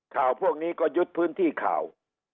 ข่าวพวกนี้ก็ยึดพื้นที่ข่าว